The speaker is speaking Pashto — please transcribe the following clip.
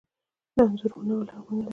د انځر ونه لرغونې ده